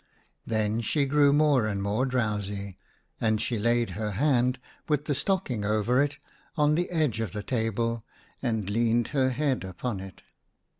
Then she grew more and more drowsy, and she laid her hand, with the stocking over it, on the edge of the table, and leaned her head upon it.